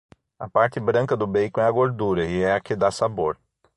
A parte branca do bacon é a gordura, e é a que dá sabor.